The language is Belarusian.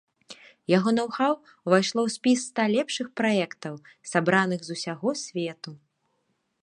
Яго ноу-хау ўвайшло ў спіс ста лепшых праектаў, сабраных з усяго свету.